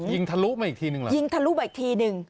ทะลุมาอีกทีหนึ่งเหรอยิงทะลุมาอีกทีหนึ่ง